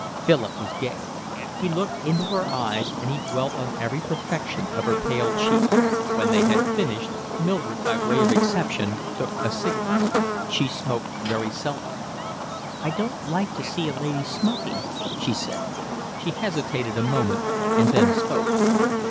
Philip was gay. He looked into her eyes, and he dwelt on every perfection of her pale cheek. When they had finished Mildred by way of exception took a cigarette. She smoked very seldom. "I don't like to see a lady smoking," she said. She hesitated a moment and then spoke.